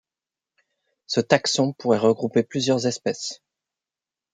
Ce taxon pourrait regrouper plusieurs espèces.